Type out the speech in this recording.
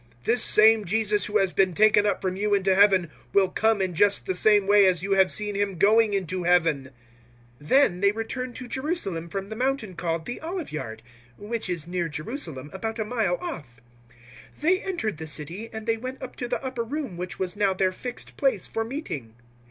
This same Jesus who has been taken up from you into Heaven will come in just the same way as you have seen Him going into Heaven." 001:012 Then they returned to Jerusalem from the mountain called the Oliveyard, which is near Jerusalem, about a mile off. 001:013 They entered the city, and they went up to the upper room which was now their fixed place for meeting.